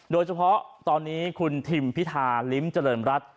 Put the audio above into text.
โดยเฉพาะตอนนี้คุณทิมพิธาลิ้มเจริญรัฐ